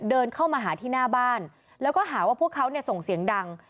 เดินเข้ามาหาที่หน้าบ้านแล้วก็หาว่าพวกเขาเนี่ยส่งเสียงดัง